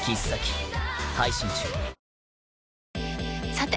さて！